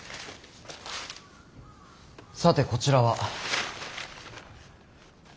さてこちらは。